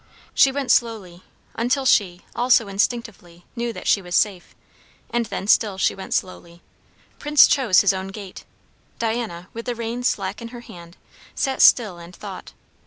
She went slowly, until she, also instinctively, knew that she was safe, and then still she went slowly. Prince chose his own gait. Diana, with the reins slack in her hand, sat still and thought.